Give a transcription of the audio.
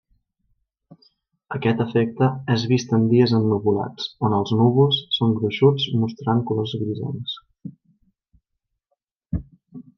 Aquest efecte és vist en dies ennuvolats on els núvols són gruixuts mostrant colors grisencs.